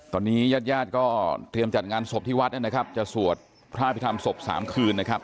ตอนนี้ญาติญาติก็เตรียมจัดงานศพที่วัดนะครับจะสวดพระอภิษฐรรมศพ๓คืนนะครับ